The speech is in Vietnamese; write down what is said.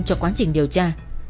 cho quá trình điều tra